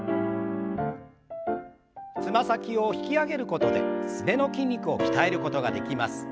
つま先を引き上げることですねの筋肉を鍛えることができます。